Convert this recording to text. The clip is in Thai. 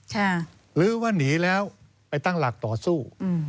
หรือว่าหนีแล้วไปตั้งหลักต่อสู้อืม